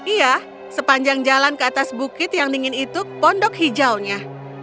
iya sepanjang jalan ke atas bukit yang dingin itu pondok hijaunya